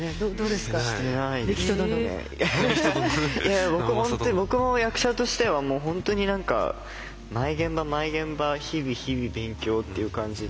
いや僕も役者としてはもう本当に何か毎現場毎現場日々日々勉強っていう感じで。